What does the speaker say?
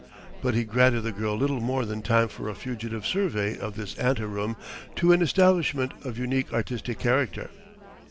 But he granted the girl little more than time for a fugitive survey of this ante room to an establishment of unique artistic character.